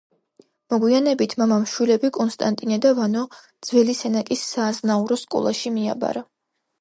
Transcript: მოგვიანებით მამამ შვილები კონსტანტინე და ვანო ძველი სენაკის სააზნაურო სკოლაში მიაბარა.